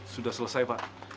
sudah selesai pak